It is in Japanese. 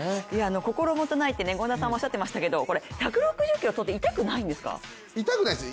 心もとないっておっしゃってましたけど１６０キロ取って痛くないんですか？